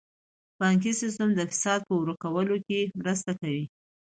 بانکي سیستم د فساد په ورکولو کې مرسته کوي.